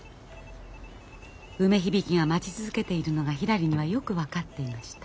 梅響が待ち続けているのがひらりにはよく分かっていました。